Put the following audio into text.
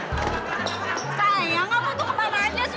kak ayang kamu tuh kemana aja sih